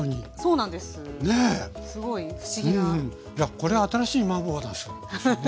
これ新しいマーボーなすですよね